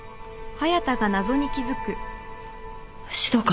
指導官。